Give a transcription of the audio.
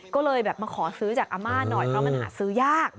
ก็เลยแบบมาขอซื้อจากอาม่าหน่อยเพราะมันหาซื้อยาก